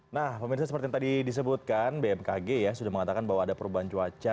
nah pemirsa seperti yang tadi disebutkan bmkg ya sudah mengatakan bahwa ada perubahan cuaca